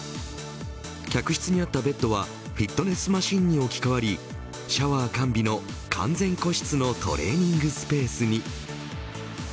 客室にあったベッドはフィットネスマシンに置き換わりシャワー完備の完全個室のトレーニングスペースに。